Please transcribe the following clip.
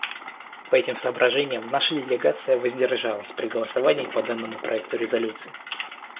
По этим соображениям наша делегация воздержалась при голосовании по данному проекту резолюции.